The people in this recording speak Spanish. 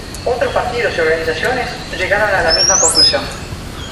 Otros partidos y organizaciones llegaron a la misma conclusión.